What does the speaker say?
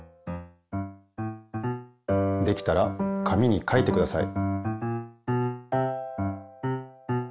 できたら紙に書いてください。